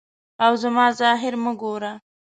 او زما ظاهر مه ګوره.